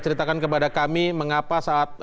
ceritakan kepada kami mengapa saat